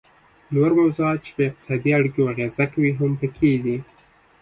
نور موضوعات چې په اقتصادي اړیکو اغیزه کوي هم پکې دي